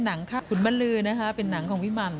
หนังค่ะขุนบรรลือนะคะเป็นหนังของพี่หม่ำ